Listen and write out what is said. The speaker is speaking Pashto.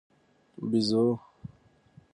🐒بېزو